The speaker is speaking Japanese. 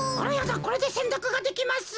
これでせんたくができます。